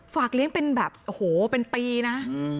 เลี้ยงเป็นแบบโอ้โหเป็นปีนะ